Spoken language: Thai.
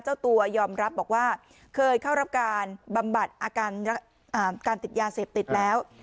เจ้าตัวยอมรับบอกว่าเคยเข้ารับการบำบัดอาการการติดยาเสพติดแล้ว